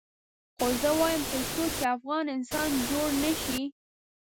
خو زه وایم تر څو چې افغان انسان جوړ نه شي.